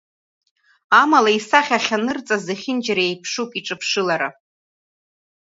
Амала исахьа ахьаанырҵаз зегьынџьара еиԥшуп иҿыԥшылара.